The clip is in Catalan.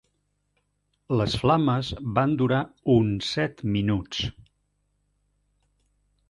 Les flames van durar un set minuts.